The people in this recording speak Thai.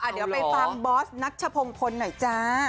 เดี๋ยวไปฟังบอสนัชพงพลหน่อยจ้า